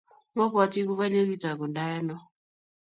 mapwoti kukanyuu kitakundai ano